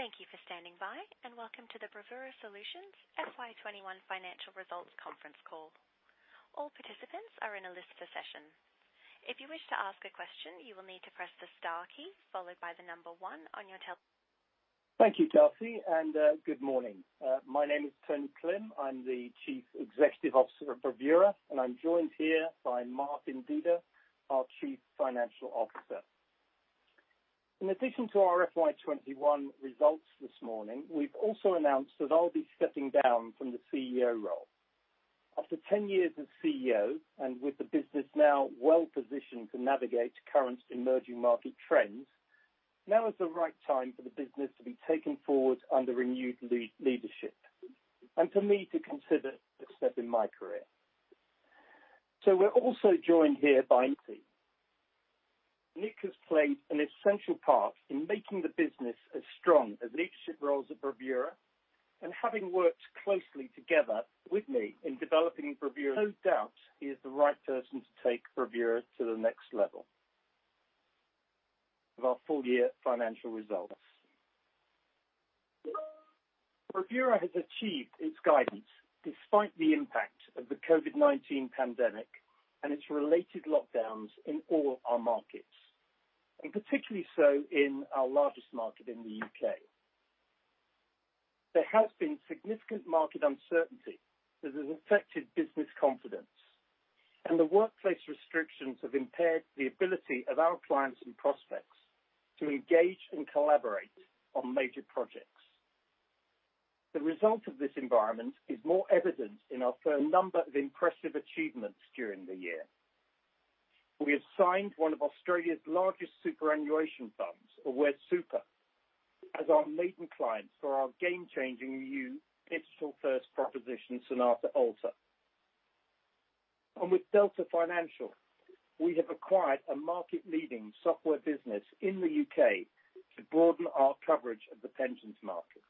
Thank you for standing by, and welcome to the Bravura Solutions FY21 Financial Results conference call. All participants are in a listen session. If you wish to ask a question, you will need to press the star key followed by the number one on your telephone. Thank you, Chelsea. Good morning. My name is Tony Klim. I'm the Chief Executive Officer of Bravura, and I'm joined here by Brent Henley, our Chief Financial Officer. In addition to our FY21 results this morning, we've also announced that I'll be stepping down from the CEO role. After 10 years as CEO, and with the business now well-positioned to navigate current emerging market trends, now is the right time for the business to be taken forward under renewed leadership and for me to consider the step in my career. We're also joined here by Nick. Nick has played an essential part in making the business as strong as leadership roles at Bravura, and having worked closely together with me in developing Bravura, no doubt he is the right person to take Bravura to the next level. Of our full- year financial results. Bravura has achieved its guidance despite the impact of the COVID-19 pandemic and its related lockdowns in all our markets, and particularly so in our largest market in the U.K. There has been significant market uncertainty that has affected business confidence. The workplace restrictions have impaired the ability of our clients and prospects to engage and collaborate on major projects. The result of this environment is more evident in our firm number of impressive achievements during the year. We have signed one of Australia's largest superannuation firms, Aware Super, as our maiden client for our game-changing new digital-first proposition, Sonata Alta. With Delta Financial, we have acquired a market-leading software business in the U.K. to broaden our coverage of the pensions market.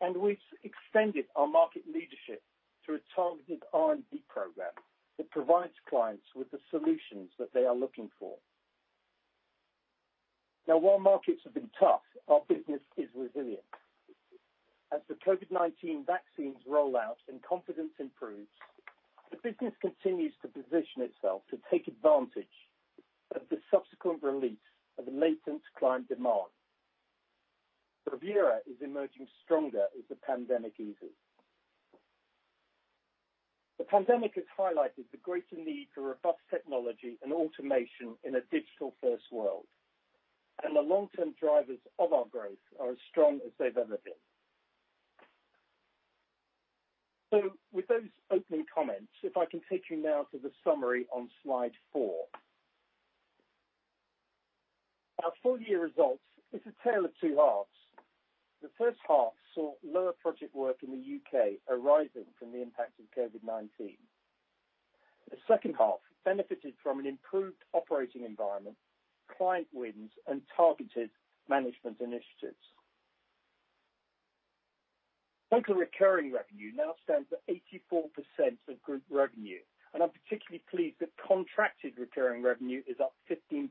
We've extended our market leadership through a targeted R&D program that provides clients with the solutions that they are looking for. Now, while markets have been tough, our business is resilient. As the COVID-19 vaccines roll out and confidence improves, the business continues to position itself to take advantage of the subsequent release of latent client demand. Bravura is emerging stronger as the pandemic eases. The pandemic has highlighted the greater need for robust technology and automation in a digital-first world, and the long-term drivers of our growth are as strong as they've ever been. With those opening comments, if I can take you now to the summary on slide 4. Our full- year results is a tale of two halves. The first half saw lower project work in the U.K. arising from the impact of COVID-19. The second half benefited from an improved operating environment, client wins, and targeted management initiatives. Monthly recurring revenue now stands at 84% of group revenue, and I'm particularly pleased that contracted recurring revenue is up 15%.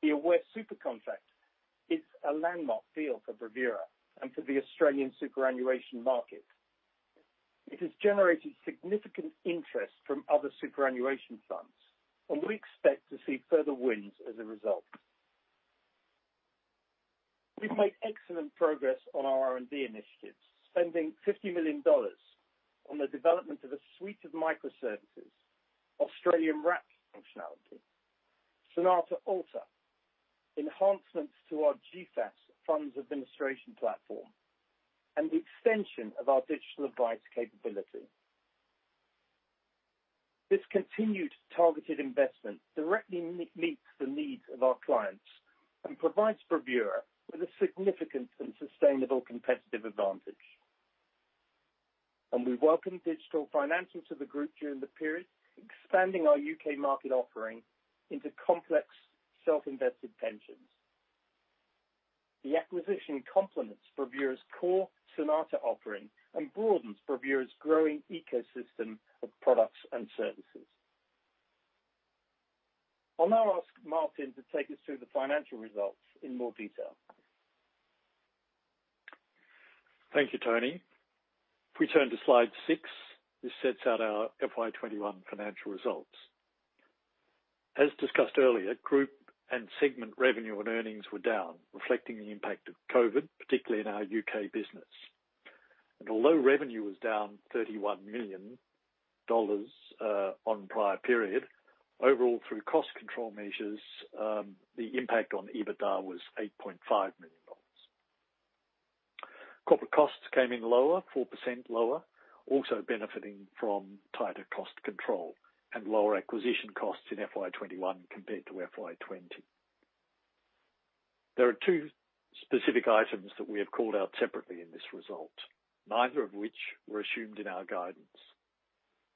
The Aware Super contract is a landmark deal for Bravura and for the Australian superannuation market. It has generated significant interest from other superannuation funds, and we expect to see further wins as a result. We've made excellent progress on our R&D initiatives, spending 50 million dollars on the development of a suite of microservices, Australian wrap functionality, Sonata Alta, enhancements to our GFAS funds administration platform, and the extension of our digital advice capability. This continued targeted investment directly meets the needs of our clients and provides Bravura with a significant and sustainable competitive advantage. We welcomed Delta Financial Systems to the group during the period, expanding our U.K. market offering into complex self-invested pensions. The acquisition complements Bravura's core Sonata offering and broadens Bravura's growing ecosystem of products and services. I'll now ask Martin to take us through the financial results in more detail. Thank you, Tony. If we turn to slide 6, this sets out our FY21 financial results. As discussed earlier, group and segment revenue and earnings were down, reflecting the impact of COVID-19, particularly in our U.K. business. Although revenue was down 31 million dollars on prior period, overall, through cost control measures, the impact on EBITDA was 8.5 million dollars. Corporate costs came in lower, 4% lower, also benefiting from tighter cost control and lower acquisition costs in FY21 compared to FY20. There are two specific items that we have called out separately in this result, neither of which were assumed in our guidance.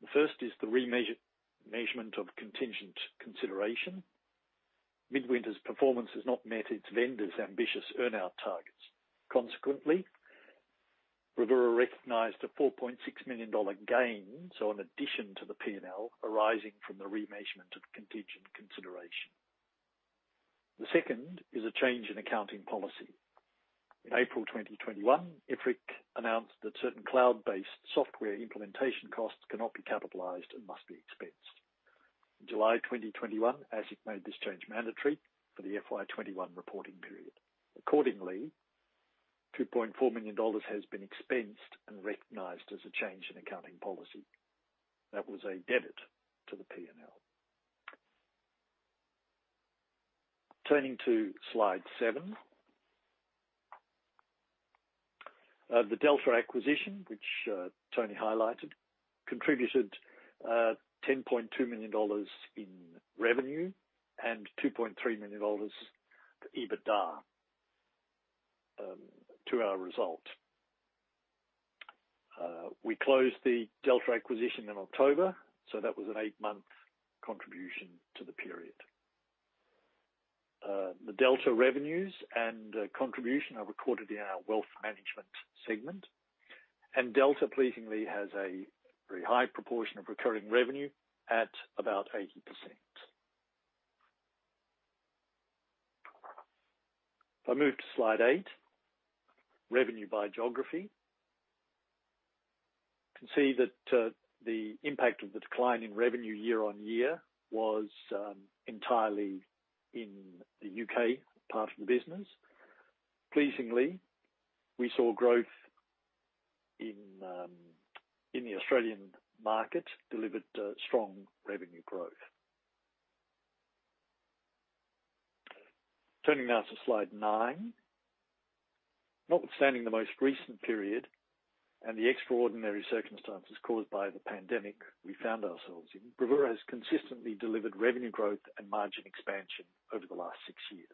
The first is the remeasurement of contingent consideration. Midwinter's performance has not met its vendors' ambitious earn-out targets. Consequently Bravura recognized a 4.6 million dollar gain, so an addition to the P&L arising from the remeasurement of contingent consideration. The second is a change in accounting policy. In April 2021, IFRIC announced that certain cloud-based software implementation costs cannot be capitalized and must be expensed. In July 2021, ASIC made this change mandatory for the FY 2021 reporting period. Accordingly, 2.4 million dollars has been expensed and recognized as a change in accounting policy. That was a debit to the P&L. Turning to slide 7. The Delta acquisition, which Tony highlighted, contributed 10.2 million dollars in revenue and 2.3 million dollars EBITDA to our result. We closed the Delta acquisition in October, so that was an 8-month contribution to the period. The Delta revenues and contribution are recorded in our wealth management segment, and Delta pleasingly has a very high proportion of recurring revenue at about 80%. If I move to slide 8, revenue by geography. You can see that the impact of the decline in revenue year- on- year was entirely in the U.K. part of the business. Pleasingly, we saw growth in the Australian market delivered strong revenue growth. Turning now to slide 9. Notwithstanding the most recent period and the extraordinary circumstances caused by the pandemic we found ourselves in, Bravura has consistently delivered revenue growth and margin expansion over the last six years.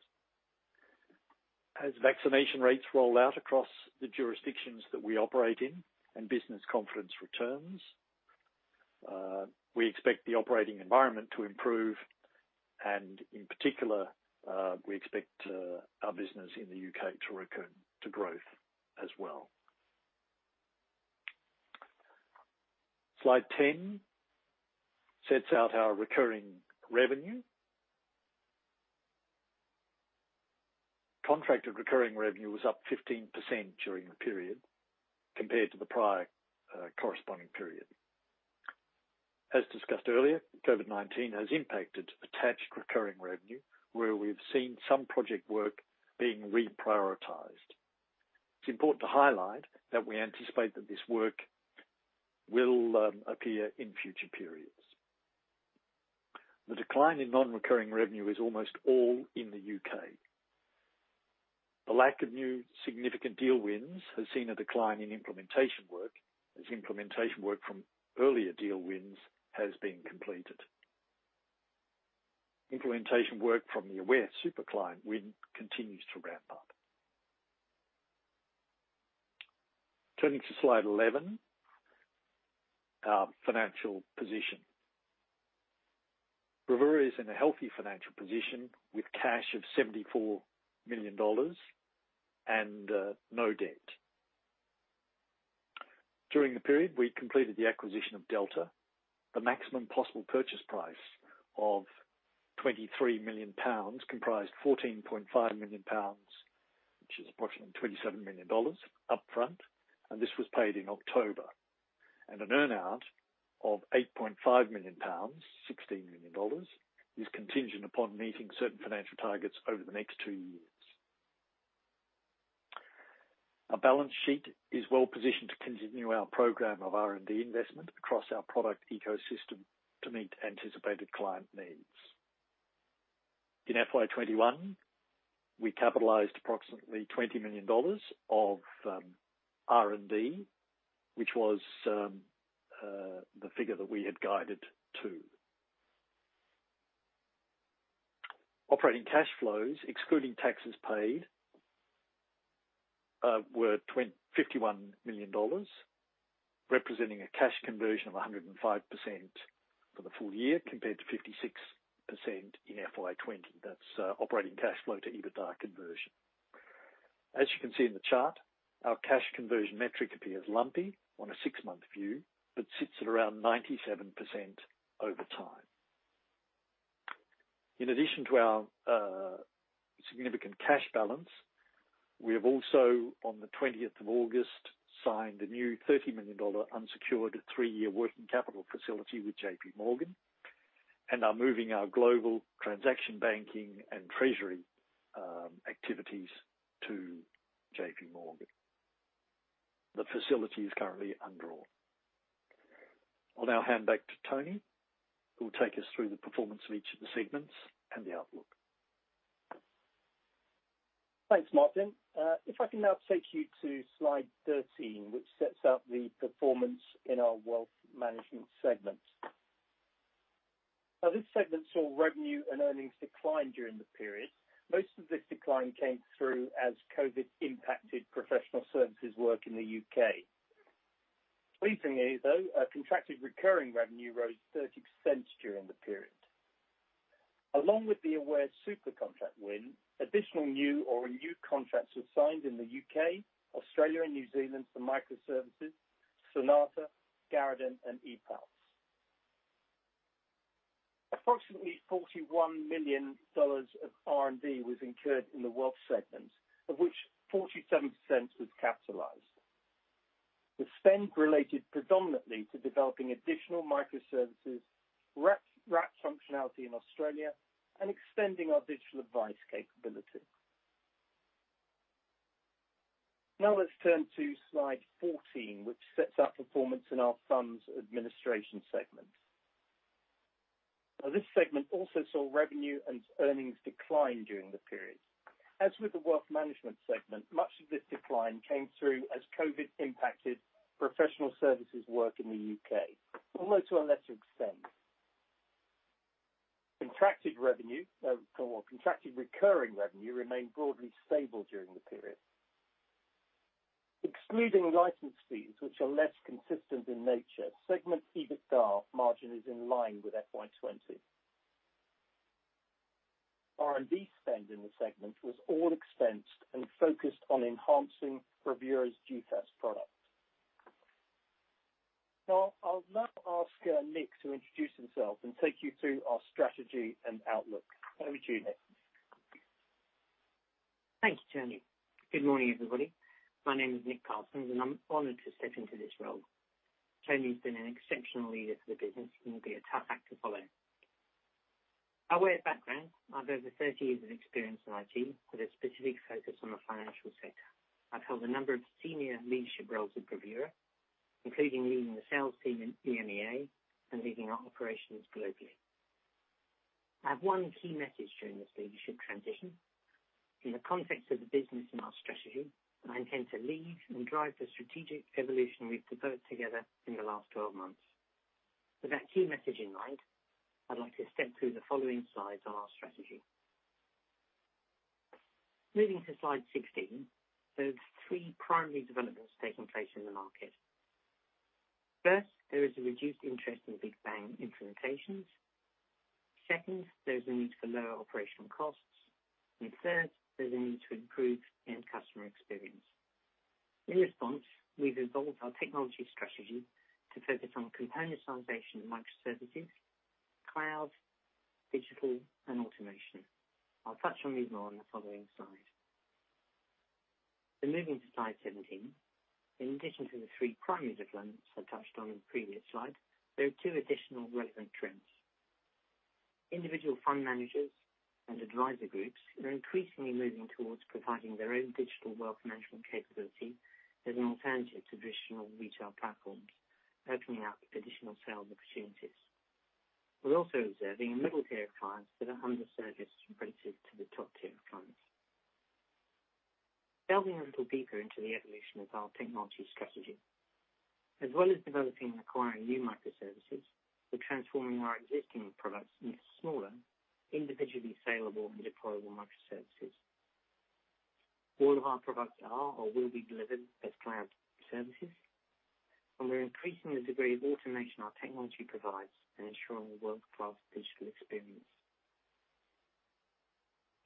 As vaccination rates roll out across the jurisdictions that we operate in and business confidence returns, we expect the operating environment to improve and, in particular, we expect our business in the U.K. to recur to growth as well. Slide 10 sets out our recurring revenue. Contracted recurring revenue was up 15% during the period compared to the prior corresponding period. As discussed earlier, COVID-19 has impacted attached recurring revenue, where we've seen some project work being reprioritized. It's important to highlight that we anticipate that this work will appear in future periods. The decline in non-recurring revenue is almost all in the U.K. The lack of new significant deal wins has seen a decline in implementation work, as implementation work from earlier deal wins has been completed. Implementation work from the Aware Super client win continues to ramp up. Turning to slide 11, our financial position. Bravura is in a healthy financial position with cash of 74 million dollars and no debt. During the period, we completed the acquisition of Delta. The maximum possible purchase price of 23 million pounds comprised 14.5 million pounds, which is approximately 27 million dollars upfront, and this was paid in October. An earn-out of 8.5 million pounds, 16 million dollars, is contingent upon meeting certain financial targets over the next two years. Our balance sheet is well-positioned to continue our program of R&D investment across our product ecosystem to meet anticipated client needs. In FY21, we capitalized approximately 20 million dollars of R&D, which was the figure that we had guided to. Operating cash flows, excluding taxes paid, were 51 million dollars, representing a cash conversion of 105% for the full- year, compared to 56% in FY20. That's operating cash flow to EBITDA conversion. As you can see in the chart, our cash conversion metric appears lumpy on a six-month view, but sits at around 97% over time. In addition to our significant cash balance, we have also, on the 20th of August, signed a new 30 million dollar unsecured three-year working capital facility with JP Morgan and are moving our global transaction banking and treasury activities to JP Morgan. The facility is currently undrawn. I'll now hand back to Tony, who will take us through the performance of each of the segments and the outlook. Thanks, Brent Henley. If I can now take you to slide 13, which sets out the performance in our Wealth segment. This segment saw revenue and earnings decline during the period. Most of this decline came through as COVID-19 impacted professional services work in the U.K. Pleasingly, though, our contracted recurring revenue rose 30% during the period. Along with the Aware Super contract win, additional new or renewed contracts were signed in the U.K., Australia, and New Zealand for microservices, Sonata, Garradin, and ePASS. Approximately 41 million dollars of R&D was incurred in the Wealth segment, of which 47% was capitalized. The spend related predominantly to developing additional microservices, Wrap functionality in Australia, and extending our digital advice capability. Let's turn to slide 14, which sets out performance in our Funds Administration segment. This segment also saw revenue and earnings decline during the period. As with the Wealth Management segment, much of this decline came through as COVID impacted professional services work in the U.K., although to a lesser extent. Contracted revenue, or contracted recurring revenue, remained broadly stable during the period. Excluding license fees, which are less consistent in nature, segment EBITDA margin is in line with FY 2020. R&D spend in the segment was all expensed and focused on enhancing Bravura's GFAS product. I'll now ask Nick to introduce himself and take you through our strategy and outlook. Over to you, Nick. Thanks, Tony. Good morning, everybody. My name is Nick Parsons, and I'm honored to step into this role. Tony's been an exceptional leader for the business and will be a tough act to follow. By way of background, I have over 30 years of experience in IT, with a specific focus on the financial sector. I've held a number of senior leadership roles with Bravura, including leading the sales team in EMEA and leading our operations globally. I have 1 key message during this leadership transition. In the context of the business and our strategy, I intend to lead and drive the strategic evolution we've developed together in the last 12 months. With that key message in mind, I'd like to step through the following slides on our strategy. Moving to slide 16, there's 3 primary developments taking place in the market. First, there is a reduced interest in big bang implementations. Second, there's a need for lower operational costs. Third, there's a need to improve end customer experience. In response, we've evolved our technology strategy to focus on componentization and microservices, cloud, digital, and automation. I'll touch on these more on the following slide. Moving to slide 17, in addition to the 3 primary developments I touched on in the previous slide, there are 2 additional relevant trends. Individual fund managers and advisor groups are increasingly moving towards providing their own digital wealth management capability as an alternative to traditional retail platforms, opening up additional sales opportunities. We're also observing a middle tier of clients that are under service relative to the top tier of clients. Delving a little deeper into the evolution of our technology strategy. As well as developing and acquiring new microservices, we're transforming our existing products into smaller, individually saleable and deployable microservices. All of our products are or will be delivered as cloud services, and we're increasing the degree of automation our technology provides and ensuring a world-class digital experience.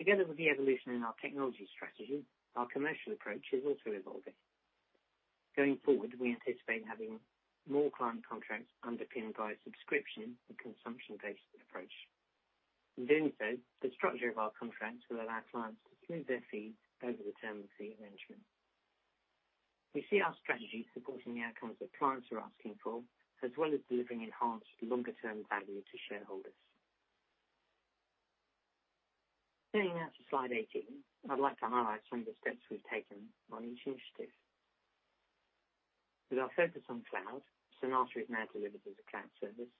Together with the evolution in our technology strategy, our commercial approach is also evolving. Going forward, we anticipate having more client contracts underpinned by a subscription and consumption-based approach. In doing so, the structure of our contracts will allow clients to smooth their fees over the term of the arrangement. We see our strategy supporting the outcomes that clients are asking for, as well as delivering enhanced longer-term value to shareholders. Turning now to slide 18, I'd like to highlight some of the steps we've taken on each initiative. With our focus on cloud, Sonata is now delivered as a cloud service.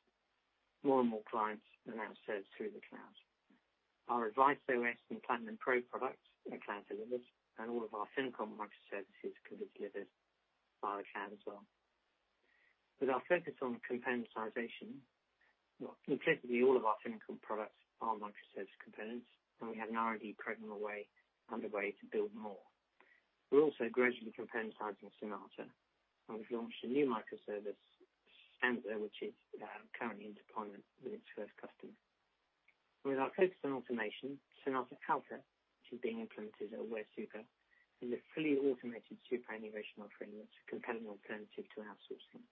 More and more clients are now served through the cloud. Our AdviceOS and Platinum Pro products are cloud delivered, and all of our FinoComp microservices can be delivered via cloud as well. With our focus on componentization, well, effectively all of our FinoComp products are microservice components, and we have an R&D program underway to build more. We're also gradually componentizing Sonata, and we've launched a new microservice, Stanza, which is currently in deployment with its first customer. With our focus on automation, Sonata Alta, which is being implemented at Aware Super, is a fully automated superannuation offering that's a compelling alternative to outsourcing.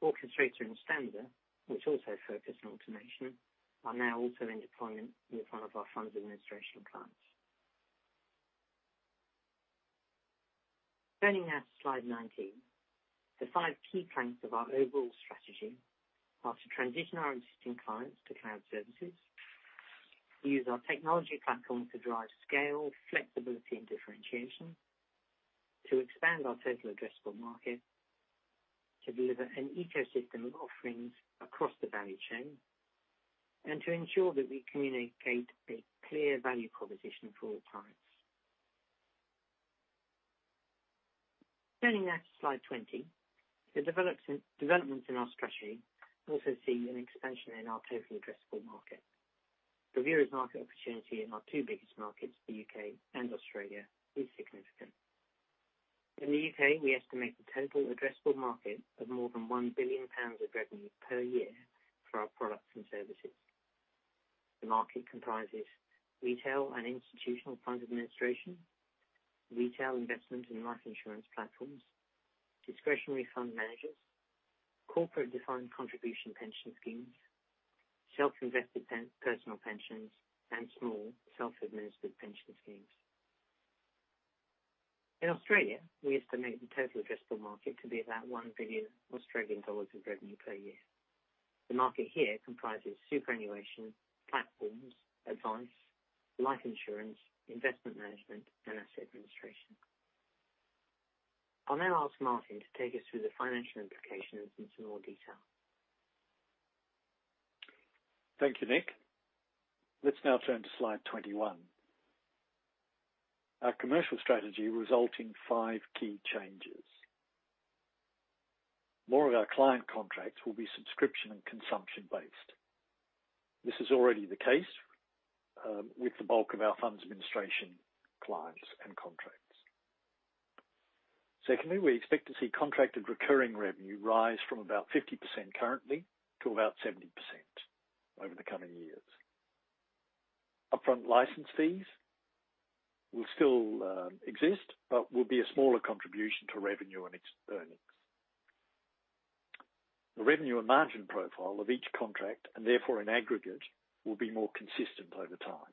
Orchestrator and Stanza, which also focus on automation, are now also in deployment with one of our funds administration clients. Turning now to slide 19. The five key planks of our overall strategy are to transition our existing clients to cloud services, use our technology platform to drive scale, flexibility, and differentiation, to expand our total addressable market, to deliver an ecosystem of offerings across the value chain, and to ensure that we communicate a clear value proposition for all clients. Turning now to slide 20. The developments in our strategy also see an expansion in our total addressable market. The viewer's market opportunity in our two biggest markets, the U.K. and Australia, is significant. In the U.K., we estimate the total addressable market of more than £1 billion of revenue per year for our products and services. The market comprises retail and institutional fund administration, retail investment and life insurance platforms, discretionary fund managers, corporate defined contribution pension schemes, self-invested personal pensions, and small self-administered pension schemes. In Australia, we estimate the total addressable market to be about 1 billion Australian dollars of revenue per year. The market here comprises superannuation, platforms, advice, life insurance, investment management, and asset administration. I'll now ask Brent to take us through the financial implications in some more detail. Thank you, Nick. Let's now turn to slide 21. Our commercial strategy will result in 5 key changes. More of our client contracts will be subscription and consumption-based. This is already the case with the bulk of our funds administration clients and contracts. Secondly, we expect to see contracted recurring revenue rise from about 50% currently to about 70% over the coming years. Upfront license fees will still exist but will be a smaller contribution to revenue and earnings. The revenue and margin profile of each contract, and therefore in aggregate, will be more consistent over time.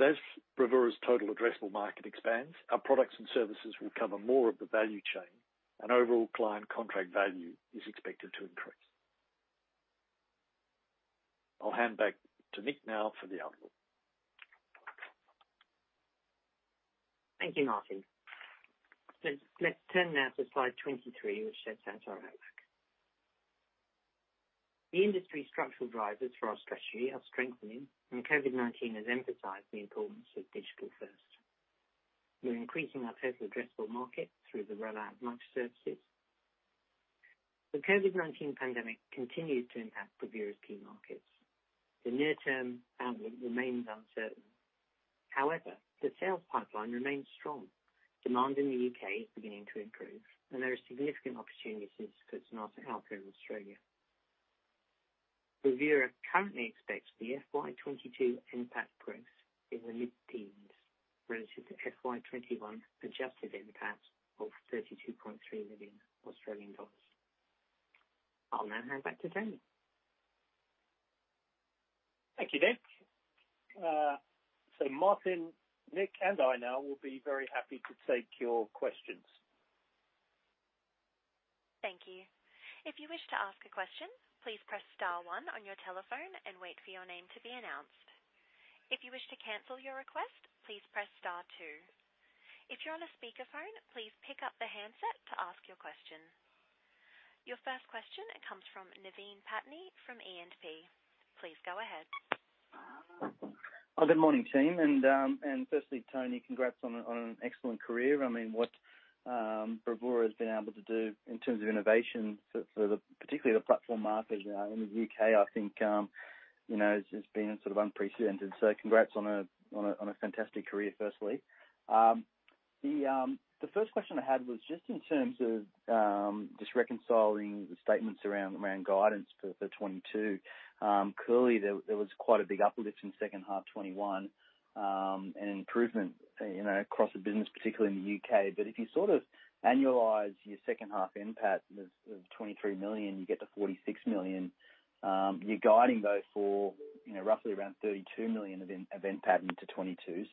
As Bravura's total addressable market expands, our products and services will cover more of the value chain and overall client contract value is expected to increase. I'll hand back to Nick now for the outlook. Thank you, Brent. Let's turn now to slide 23, which sets out our outlook. The industry structural drivers for our strategy are strengthening, and COVID-19 has emphasized the importance of digital first. We're increasing our total addressable market through the rollout of managed services. The COVID-19 pandemic continues to impact Bravura's key markets. The near-term outlook remains uncertain. However, the sales pipeline remains strong. Demand in the U.K. is beginning to improve, and there are significant opportunities as markets now open in Australia. Bravura currently expects the FY 2022 NPAT growth in the mid-teens relative to FY 2021 adjusted NPAT of 32.3 million Australian dollars. I'll now hand back to Tony Klim. Thank you, Nick. Brent Henley, Nick, and I now will be very happy to take your questions. Thank you. If you wish to ask a question, please press star 1 on your telephone and wait for your name to be announced. If you wish to cancel your request, please press star two. If you're on a speakerphone, please pick up the handset to ask your question. Your first question comes from Naveen Pattni from E&P. Please go ahead. Good morning, team. Firstly, Tony, congrats on an excellent career. What Bravura has been able to do in terms of innovation for particularly the platform market in the U.K., I think, has been unprecedented. Congrats on a fantastic career, firstly. The first question I had was just in terms of just reconciling the statements around guidance for FY22. Clearly, there was quite a big uplift in second half FY21, and improvement across the business, particularly in the U.K. If you annualize your second half NPAT of 23 million, you get to 46 million. You're guiding, though, for roughly around 32 million of NPAT into FY22.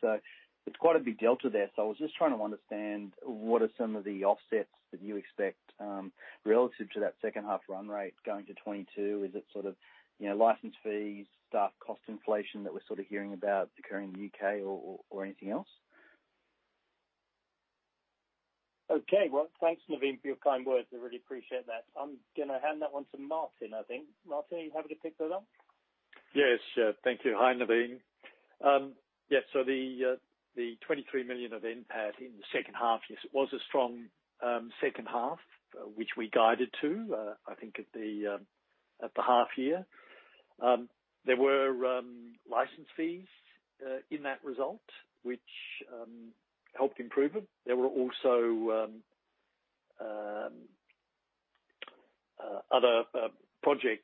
It's quite a big delta there. I was just trying to understand what are some of the offsets that you expect relative to that second half run rate going to FY22. Is it license fees, staff cost inflation that we're hearing about occurring in the U.K. or anything else? Okay. Well, thanks, Naveen, for your kind words. I really appreciate that. I'm going to hand that one to Brent, I think. Brent, are you happy to pick that up? Yes. Thank you. Hi, Naveen. The 23 million of NPAT in the second half, yes, it was a strong second half, which we guided to, I think, at the half year. There were license fees in that result, which helped improve it. There were also other project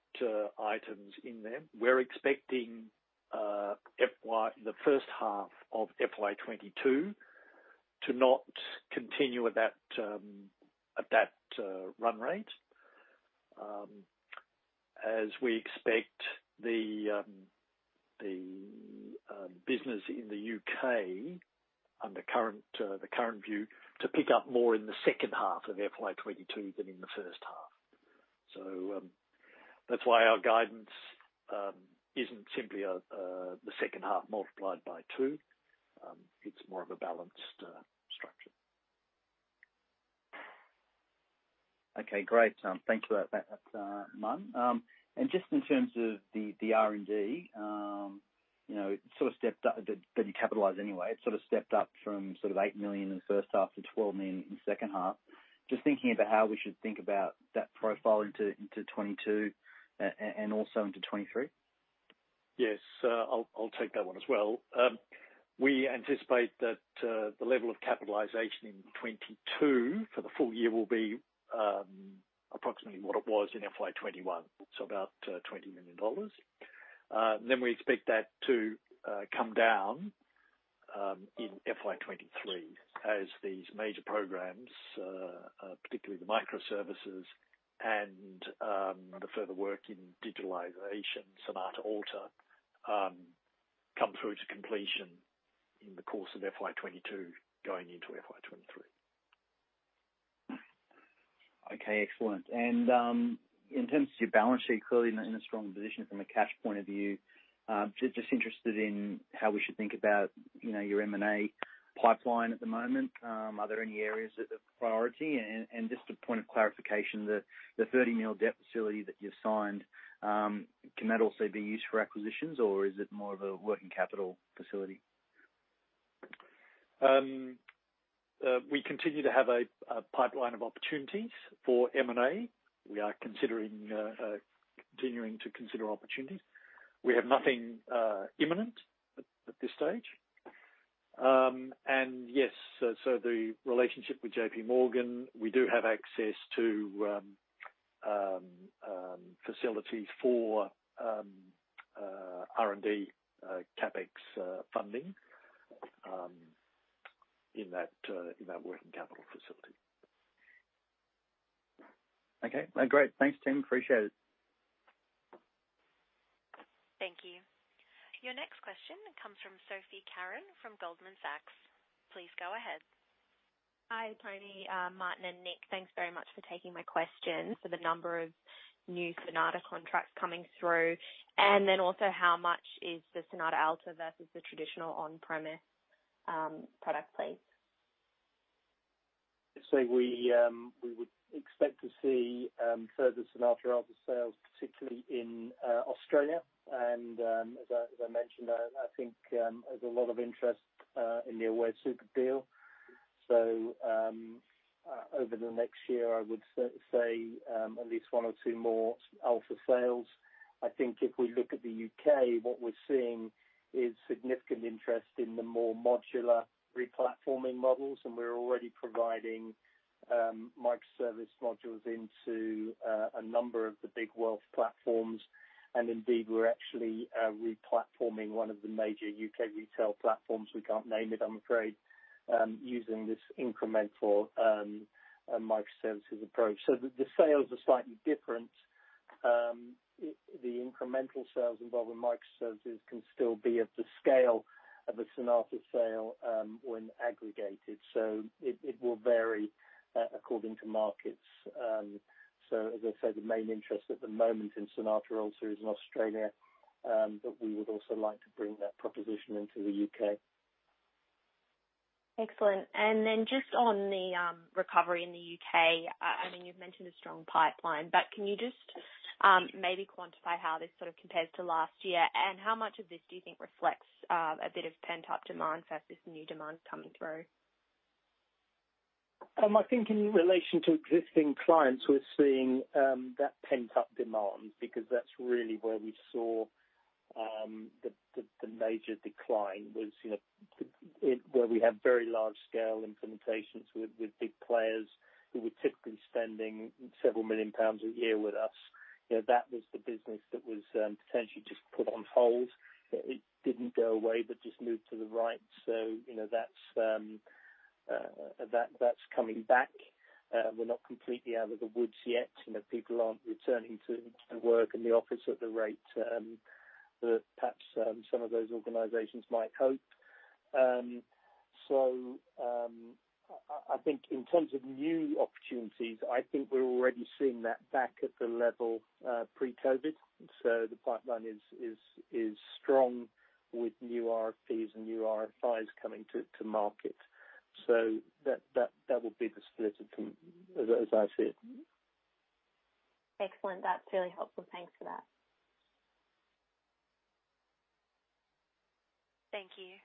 items in there. We're expecting the first half of FY22 to not continue at that run rate, as we expect the business in the U.K., under the current view, to pick up more in the second half of FY22 than in the first half. That's why our guidance isn't simply the second half multiplied by 2. It's more of a balanced structure. Okay, great. Thank you for that, Brent Henley. Just in terms of the R&D. It sort of stepped up that you capitalize anyway. It sort of stepped up from sort of 8 million in the first half to 12 million in the second half. Just thinking about how we should think about that profile into FY 2022 and also into FY 2023. Yes. I'll take that one as well. We anticipate that the level of capitalization in 2022 for the full- year will be approximately what it was in FY 2021, so about 20 million dollars. We expect that to come down in FY 2023 as these major programs, particularly the microservices and the further work in digitalization, Sonata Alta, come through to completion in the course of FY 2022 going into FY 2023. Okay, excellent. In terms of your balance sheet, clearly you're in a strong position from a cash point of view. Just interested in how we should think about your M&A pipeline at the moment. Are there any areas that have priority? Just a point of clarification, the 30 million debt facility that you signed, can that also be used for acquisitions or is it more of a working capital facility? We continue to have a pipeline of opportunities for M&A. We are continuing to consider opportunities. We have nothing imminent at this stage. Yes, the relationship with JP Morgan, we do have access to facilities for R&D CapEx funding in that working capital facility. Okay. Great. Thanks, Tim. Appreciate it. Thank you. Your next question comes from Sophie Carran from Goldman Sachs. Please go ahead. Hi, Tony, Martin, and Nick. Thanks very much for taking my questions. The number of new Sonata contracts coming through, and then also how much is the Sonata Alta versus the traditional on-premise product, please? We would expect to see further Sonata Alta sales, particularly in Australia. As I mentioned, I think there's a lot of interest in the Aware Super deal. Over the next year, I would say at least one or two more Alta sales. I think if we look at the U.K., what we're seeing is significant interest in the more modular re-platforming models. We're already providing microservice modules into a number of the big wealth platforms. Indeed, we're actually re-platforming one of the major U.K. retail platforms, we can't name it, I'm afraid, using this incremental microservices approach. The sales are slightly different. The incremental sales involving microservices can still be at the scale of a Sonata sale when aggregated. It will vary according to markets. As I said, the main interest at the moment in Sonata Alta is in Australia, but we would also like to bring that proposition into the U.K. Excellent. Then just on the recovery in the U.K., I mean, you've mentioned a strong pipeline, but can you just maybe quantify how this sort of compares to last year? How much of this do you think reflects a bit of pent-up demand versus new demand coming through? I think in relation to existing clients, we're seeing that pent-up demand because that's really where we saw the major decline was where we have very large-scale implementations with big players who were typically spending several million GBP a year with us. That was the business that was potentially just put on hold. It didn't go away, just moved to the right. That's coming back. We're not completely out of the woods yet. People aren't returning to work in the office at the rate that perhaps some of those organizations might hope. I think in terms of new opportunities, I think we're already seeing that back at the level pre-COVID. The pipeline is strong with new RFPs and new RFIs coming to market. That will be the split as I see it. Excellent. That's really helpful. Thanks for that. Thank you.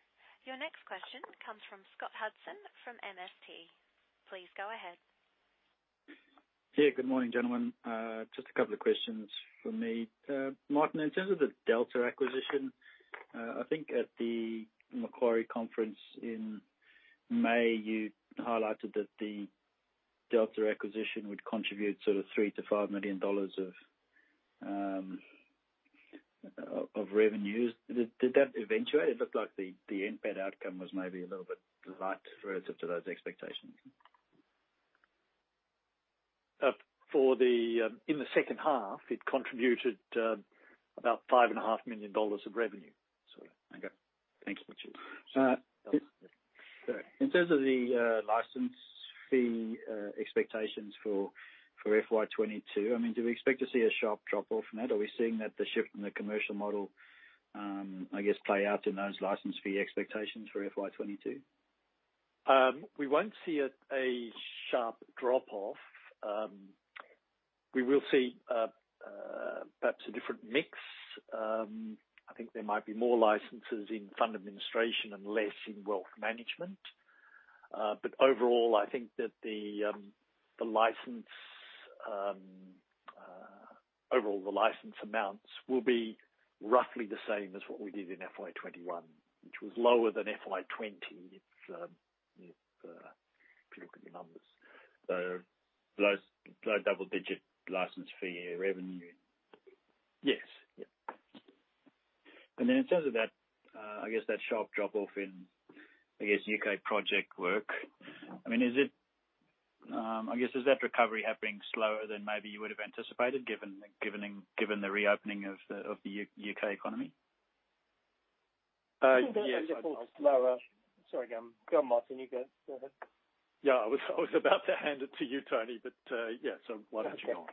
Your next question comes from Scott Hudson from MST. Please go ahead. Yeah, good morning, gentlemen. Just a couple of questions from me. Brent Henley, in terms of the Delta acquisition, I think at the Macquarie Conference in May, you highlighted that the Delta acquisition would contribute sort of 3 million to 5 million dollars of revenues. Did that eventuate? It looked like the NPAT outcome was maybe a little bit light relative to those expectations. In the second half, it contributed about five and a half million dollars of revenue. Okay. Thank you. In terms of the license fee expectations for FY 2022, I mean, do we expect to see a sharp drop-off from that? Are we seeing that the shift in the commercial model I guess play out in those license fee expectations for FY 2022? We won't see a sharp drop-off. We will see perhaps a different mix. I think there might be more licenses in fund administration and less in wealth management. Overall, I think that the license amounts will be roughly the same as what we did in FY21, which was lower than FY20. If you look at the numbers. Low double-digit license fee revenue. Yes. In terms of that sharp drop-off in U.K. project work, is that recovery happening slower than maybe you would have anticipated given the reopening of the U.K. economy? Yes. Slower. Sorry, go on, Brent Henley. You go. Go ahead. Yeah, I was about to hand it to you, Tony, but yeah, so why don't you go on?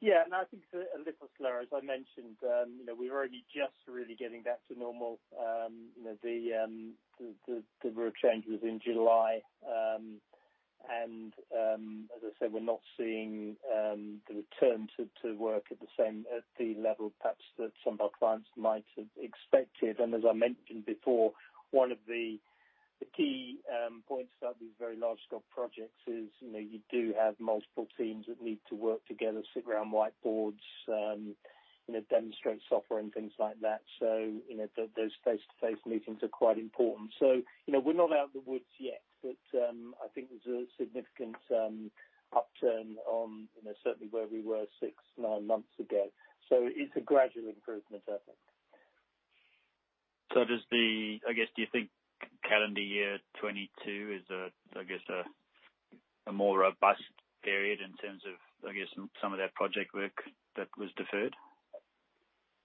Yeah. No, I think a little slower. As I mentioned, we're only just really getting back to normal. The rate change was in July. As I said, we're not seeing the return to work at the level perhaps that some of our clients might have expected. As I mentioned before, one of the key points about these very large scope projects is you do have multiple teams that need to work together, sit around whiteboards, demonstrate software and things like that. Those face-to-face meetings are quite important. We're not out of the woods yet, but I think there's a significant upturn on certainly where we were 6, 9 months ago. It's a gradual improvement, I think. Do you think calendar year 2022 is a more robust period in terms of some of that project work that was deferred?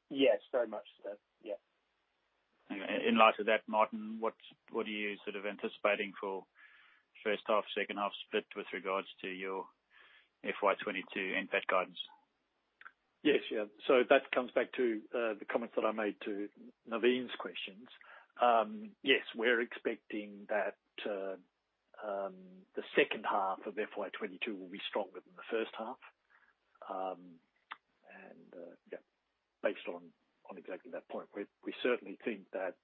Yes, very much so. Yeah. Okay. In light of that, Martin, what are you anticipating for first half, second half split with regards to your FY22 NPAT guidance? Yes. That comes back to the comments that I made to Naveen's questions. Yes, we're expecting that the second half of FY 2022 will be stronger than the first half. Based on exactly that point. We certainly think that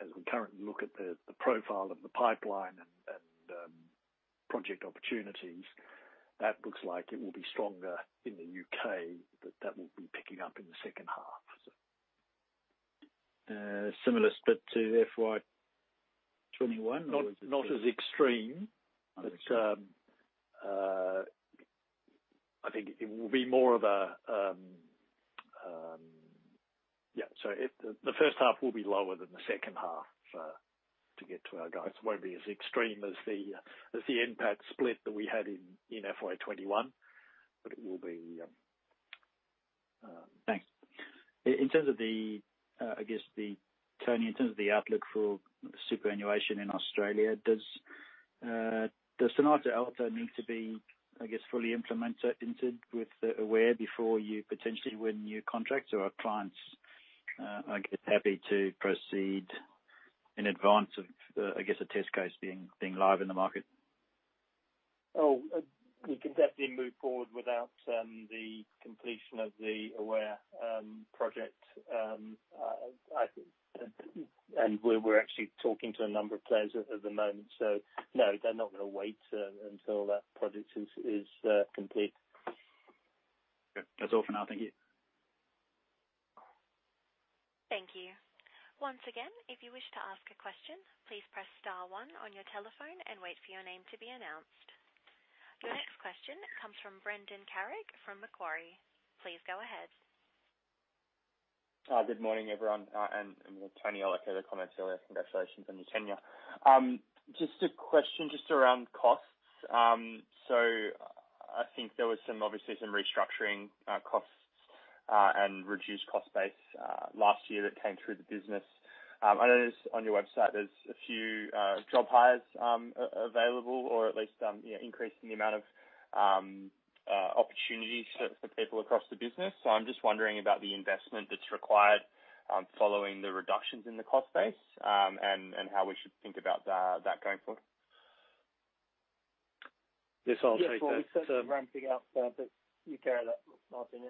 as we currently look at the profile of the pipeline and project opportunities, that looks like it will be stronger in the U.K., that will be picking up in the second half. Similar split to FY 2021? Not as extreme. Not as extreme. I think it will be more of a, the first half will be lower than the second half to get to our guidance. It won't be as extreme as the NPAT split that we had in FY 2021, but it will be. Thanks. Tony, in terms of the outlook for superannuation in Australia, does Sonata Alta need to be fully implemented with Aware before you potentially win new contracts, or are clients happy to proceed in advance of a test case being live in the market? We can definitely move forward without the completion of the Aware project. We're actually talking to a number of players at the moment. No, they're not going to wait until that project is complete. Okay. That's all for now. Thank you. Thank you. Once again, if you wish to ask a question, please press star one on your telephone and wait for your name to be announced. Your next question comes from Brendan Carrig from Macquarie. Please go ahead. Good morning, everyone. Tony, I like the other comments earlier. Congratulations on your tenure. Just a question just around costs. I think there was obviously some restructuring costs and reduced cost base last year that came through the business. I notice on your website there's a few job hires available or at least increasing the amount of opportunities for people across the business. I'm just wondering about the investment that's required following the reductions in the cost base and how we should think about that going forward. Yes, I'll take that. We're certainly ramping up, but you carry that, Martin,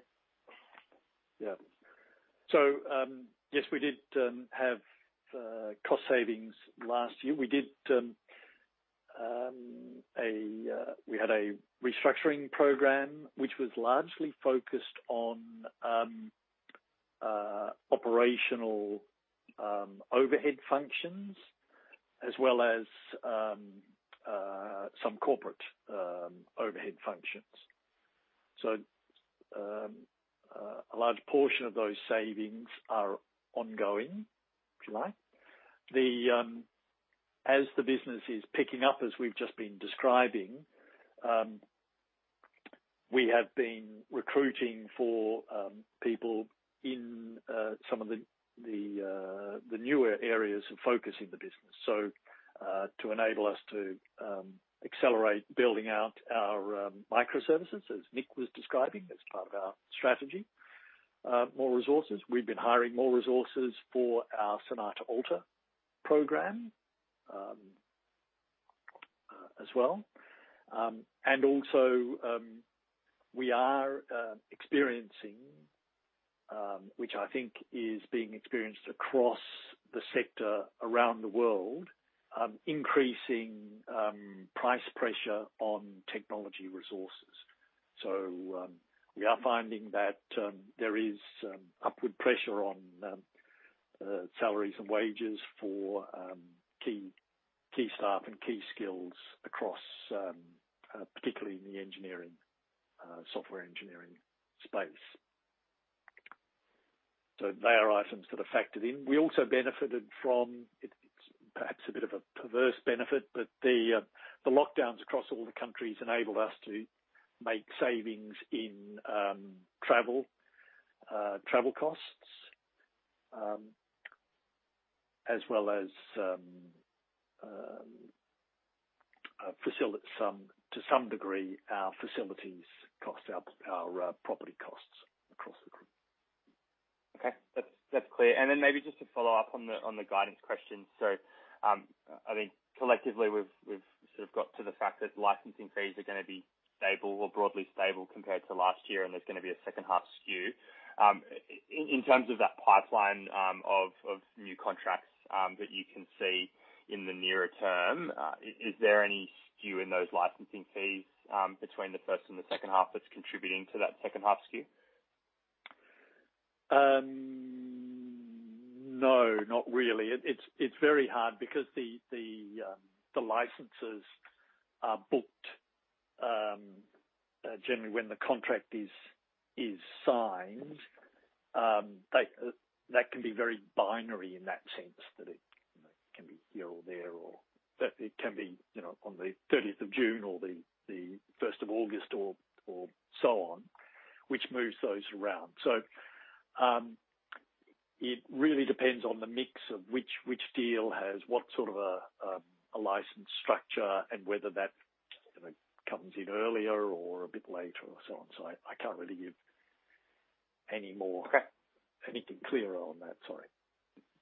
yeah. Yes, we did have cost savings last year. We had a restructuring program, which was largely focused on operational overhead functions as well as some corporate overhead functions. A large portion of those savings are ongoing, if you like. As the business is picking up, as we've just been describing, we have been recruiting for people in some of the newer areas of focus in the business. To enable us to accelerate building out our microservices, as Nick was describing, as part of our strategy. More resources, we've been hiring more resources for our Sonata Alta program as well. Also, we are experiencing, which I think is being experienced across the sector around the world, increasing price pressure on technology resources. We are finding that there is upward pressure on salaries and wages for key staff and key skills across, particularly in the software engineering space. They are items that are factored in. We also benefited from, it's perhaps a bit of a perverse benefit, but the lockdowns across all the countries enabled us to make savings in travel costs, as well as, to some degree, our facilities costs, our property costs across the group. Okay. That's clear. Maybe just to follow up on the guidance question. I think collectively, we've sort of got to the fact that licensing fees are going to be stable or broadly stable compared to last year, and there's going to be a second half skew. In terms of that pipeline of new contracts that you can see in the nearer term, is there any skew in those licensing fees between the first and the second half that's contributing to that second half skew? No, not really. It's very hard because the licenses are booked generally when the contract is signed. That can be very binary in that sense, that it can be here or there or that it can be on the 30th of June or the 1st of August or so on, which moves those around. It really depends on the mix of which deal has what sort of a license structure and whether that comes in earlier or a bit later or so on. I can't really give any more. Okay anything clearer on that. Sorry.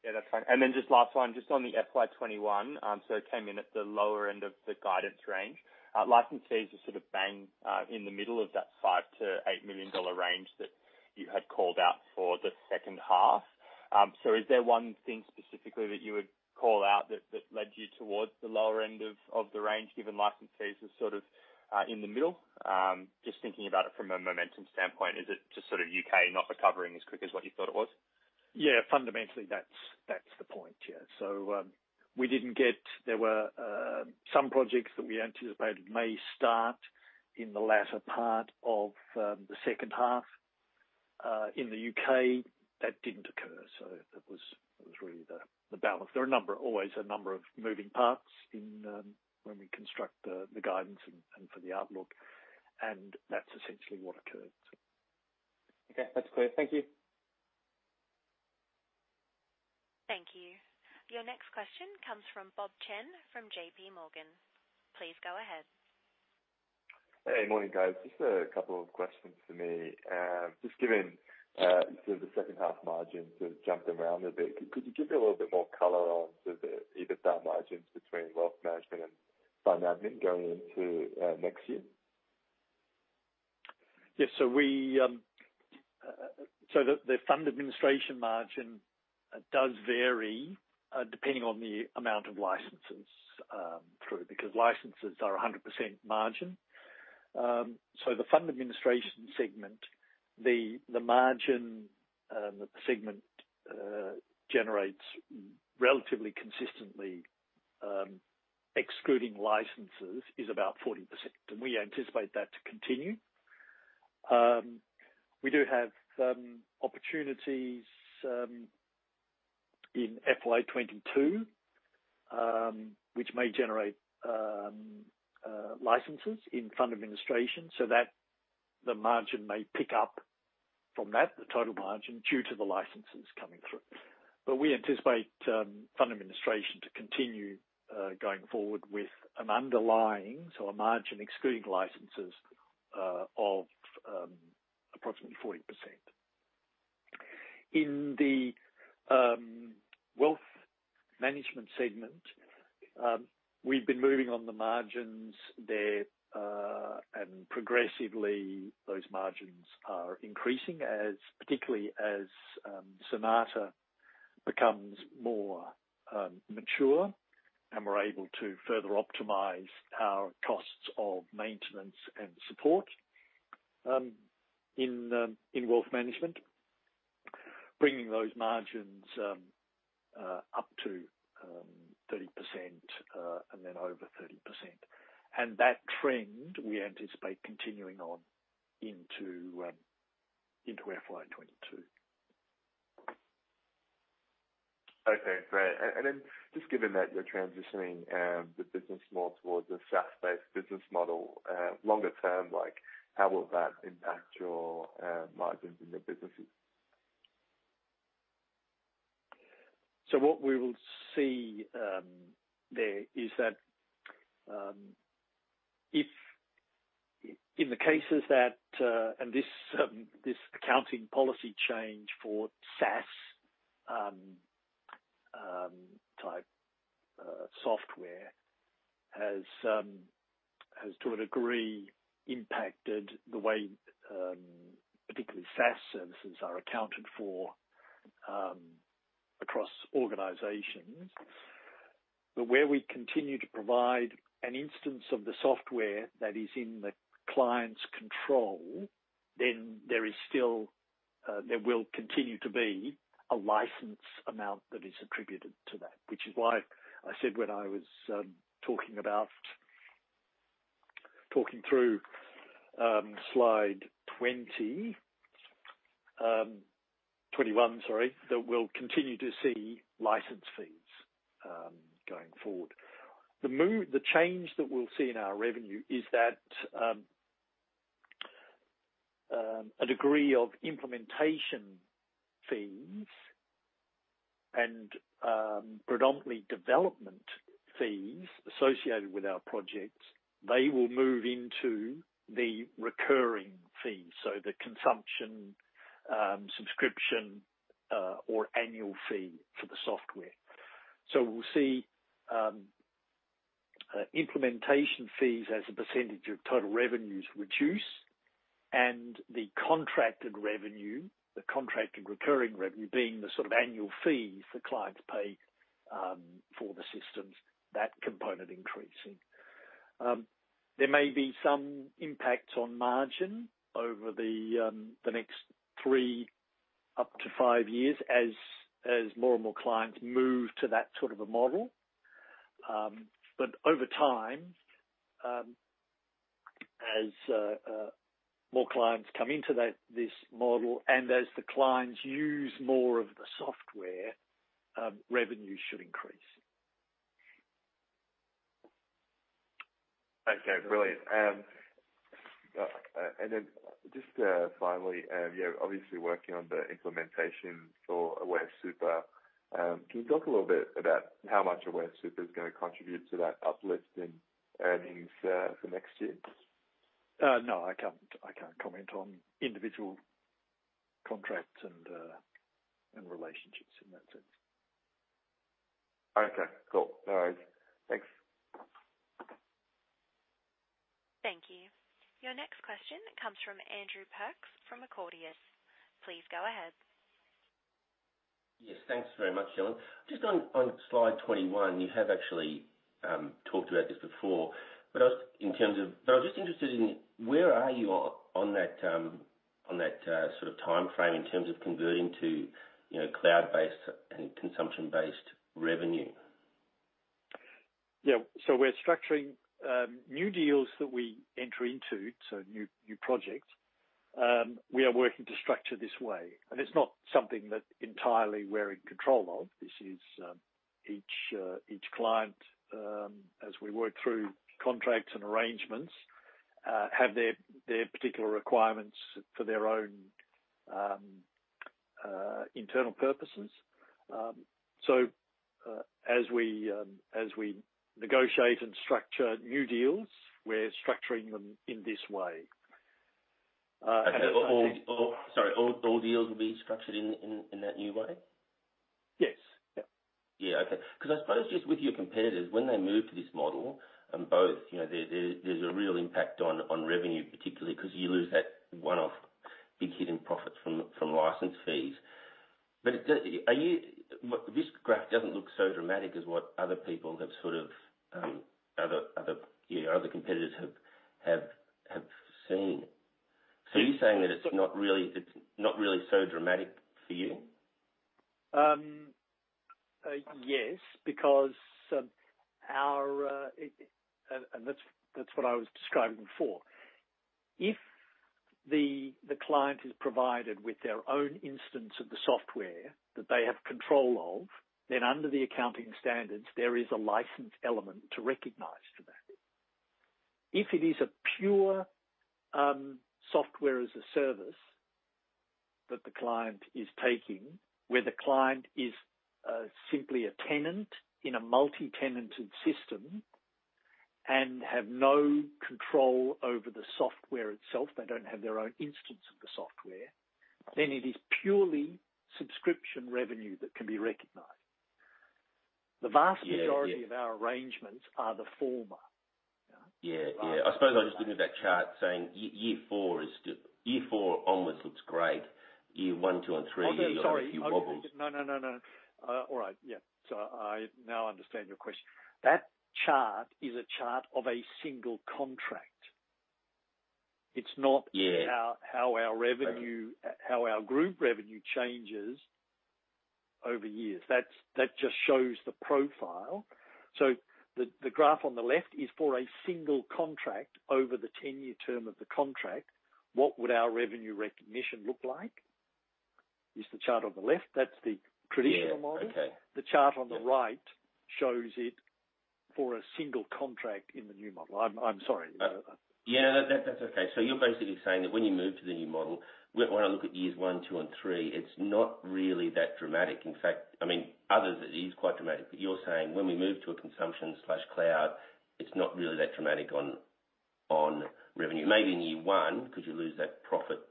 Yeah, that's fine. Just last one, just on the FY 2021, it came in at the lower end of the guidance range. License fees are sort of bang in the middle of that 5 million-8 million dollar range that you had called out for the second half. Is there one thing specifically that you would call out that led you towards the lower end of the range, given license fees are sort of in the middle? Just thinking about it from a momentum standpoint, is it just sort of U.K. not recovering as quick as what you thought it was? Yeah, fundamentally that's the point. Yeah. We didn't. There were some projects that we anticipated may start in the latter part of the second half in the U.K. That didn't occur. That was really the balance. There are always a number of moving parts when we construct the guidance and for the outlook, and that's essentially what occurred. Okay. That's clear. Thank you. Thank you. Your next question comes from Bob Chen from JP Morgan. Please go ahead. Hey, morning, guys. Just a couple of questions for me. Given the second half margin sort of jumping around a bit, could you give a little bit more color on sort of the EBITDA margins between wealth management and fund admin going into next year? Yes. The fund administration margin does vary depending on the amount of licenses through, because licenses are 100% margin. The fund administration segment, the margin that the segment generates relatively consistently, excluding licenses, is about 40%, and we anticipate that to continue. We do have some opportunities in FY22, which may generate licenses in fund administration so that the margin may pick up from that, the total margin, due to the licenses coming through. We anticipate fund administration to continue, going forward, with an underlying, so a margin excluding licenses, of approximately 40%. In the wealth management segment, we've been moving on the margins there, and progressively those margins are increasing, particularly as Sonata becomes more mature and we're able to further optimize our costs of maintenance and support in wealth management, bringing those margins up to 30% and then over 30%. That trend we anticipate continuing on into FY 2022. Okay, great. Just given that you're transitioning the business more towards a SaaS-based business model longer- term, how will that impact your margins in the businesses? What we will see there is that if in the cases that, and this accounting policy change for SaaS type software has to a degree impacted the way particularly SaaS services are accounted for across organizations. Where we continue to provide an instance of the software that is in the client's control, then there will continue to be a license amount that is attributed to that. Which is why I said when I was talking through slide 21, that we'll continue to see license fees going forward. The change that we'll see in our revenue is that a degree of implementation fees and predominantly development fees associated with our projects, they will move into the recurring fees, so the consumption, subscription or annual fee for the software. We'll see implementation fees as a percentage of total revenues reduce and the contracted revenue, the contracted recurring revenue being the sort of annual fees the clients pay for the systems, that component increasing. There may be some impact on margin over the next three up to five years as more and more clients move to that sort of a model. Over time, as more clients come into this model and as the clients use more of the software, revenue should increase. Okay, brilliant. Then just finally, you're obviously working on the implementation for Aware Super. Can you talk a little bit about how much Aware Super is going to contribute to that uplift in earnings for next year? No, I can't. I can't comment on individual contracts and relationships in that sense. Okay, cool. All right. Thanks. Thank you. Your next question comes from Andrew Perks from Accordius. Please go ahead. Yes, thanks very much, Helen. Just on slide 21, you have actually talked about this before, but I was just interested in where are you on that sort of timeframe in terms of converting to cloud-based and consumption-based revenue? Yeah. We're structuring new deals that we enter into, so new projects. We are working to structure this way, and it's not something that entirely we're in control of. This is each client, as we work through contracts and arrangements, have their particular requirements for their own internal purposes. As we negotiate and structure new deals, we're structuring them in this way. Sorry, all deals will be structured in that new way? Yes. Okay. Because I suppose just with your competitors, when they move to this model and both, there's a real impact on revenue, particularly because you lose that one-off big hidden profit from license fees. This graph doesn't look so dramatic as what other competitors have seen. Are you saying that it's not really so dramatic for you? Yes, that's what I was describing before. If the client is provided with their own instance of the software that they have control of, then under the accounting standards, there is a license element to recognize for that. If it is a pure Software as a Service that the client is taking, where the client is simply a tenant in a multi-tenanted system and have no control over the software itself, they don't have their own instance of the software, then it is purely subscription revenue that can be recognized. Yeah of our arrangements are the former. Yeah. I suppose I just looking at that chart saying year four onwards looks great. Year one, two and three. Oh, there, sorry. you've got a few wobbles. No. All right. Yeah. I now understand your question. That chart is a chart of a single contract. Yeah how our group revenue changes over years. That just shows the profile. The graph on the left is for a single contract over the 10-year term of the contract. What would our revenue recognition look like? Is the chart on the left. That's the traditional model. Yeah. Okay. The chart on the right shows it. For a single contract in the new model. I'm sorry. Yeah, that's okay. You're basically saying that when you move to the new model, when I look at years one, two, and three, it's not really that dramatic. In fact, others it is quite dramatic. You're saying when we move to a consumption/cloud, it's not really that dramatic on revenue. Maybe in year one, because you lose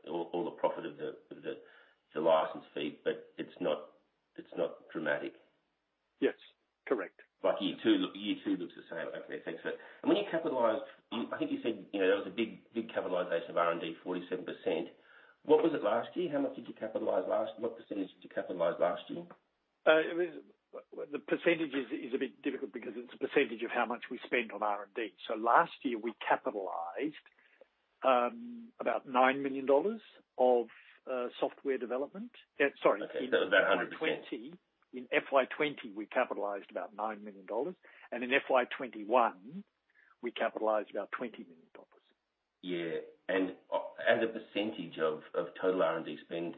all the profit of the license fee, but it's not dramatic. Yes. Correct. Year two looks the same. Okay, thanks for it. When you capitalize, I think you said there was a big capitalization of R&D, 47%. What was it last year? How much did you capitalize last? What percentage did you capitalize last year? The % is a bit difficult because it's a % of how much we spend on R&D. Last year we capitalized about 9 million dollars of software development. Sorry. That was about. In FY20 we capitalized about 9 million dollars, and in FY21, we capitalized about 20 million dollars. Yeah. As a percentage of total R&D spend,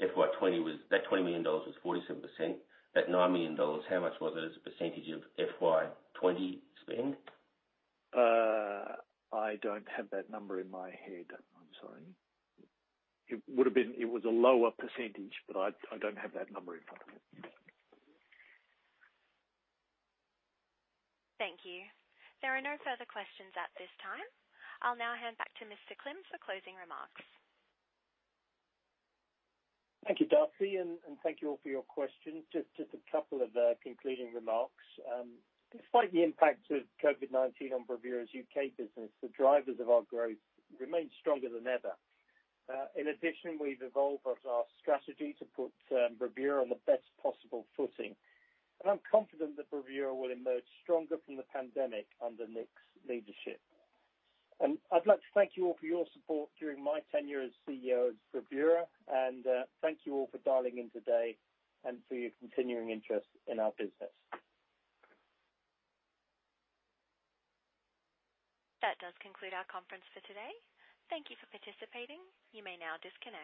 FY 2020, that 20 million dollars was 47%. That 9 million dollars, how much was it as a percentage of FY 2020 spend? I don't have that number in my head. I'm sorry. It was a lower percentage, but I don't have that number in front of me. Thank you. There are no further questions at this time. I'll now hand back to Mr. Klim for closing remarks. Thank you, Darcy. Thank you all for your questions. Just a couple of concluding remarks. Despite the impact of COVID-19 on Bravura's U.K. business, the drivers of our growth remain stronger than ever. In addition, we've evolved our strategy to put Bravura on the best possible footing. I'm confident that Bravura will emerge stronger from the pandemic under Nick's leadership. I'd like to thank you all for your support during my tenure as CEO of Bravura. Thank you all for dialing in today and for your continuing interest in our business. That does conclude our conference for today. Thank you for participating. You may now disconnect.